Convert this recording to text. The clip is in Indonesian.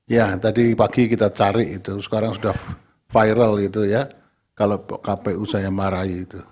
ya tadi pagi kita cari itu sekarang sudah viral itu ya kalau kpu saya marahi itu